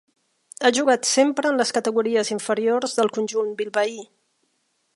Ha jugat sempre en les categories inferiors del conjunt bilbaí.